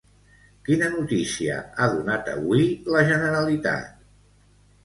Quina notícia ha donat avui la Generalitat?